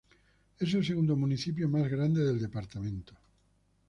Es el segundo municipio más grande del departamento.